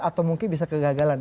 atau mungkin bisa kegagalan